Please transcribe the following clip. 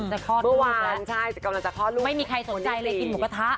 คลอดเมื่อวานใช่กำลังจะคลอดลูกไม่มีใครสนใจเลยกินหมูกระทะ